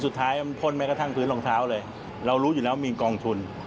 สุดท้ายเผ่นแถมถ้ากลางท้าวเลยเรารู้เหรอว่ามีกองทุน